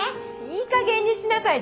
いいかげんにしなさい。